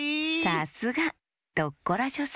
さすがドッコラショ３